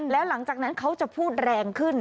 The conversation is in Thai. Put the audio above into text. แล้วหลังจากนั้นเขาจะพูดแรงขึ้น